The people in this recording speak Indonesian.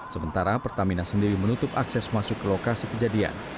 sementara pertamina sendiri menutup akses masuk ke lokasi kejadian